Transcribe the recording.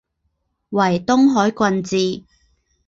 为东海郡治。